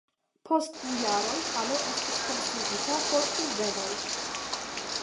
Post du jaroj halo estis konstruita por kunvenoj.